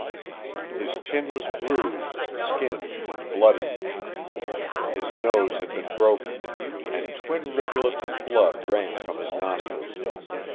His chin was bruised, skinned, and bloody; his nose had been broken, and twin rivulets of blood ran from his nostrils.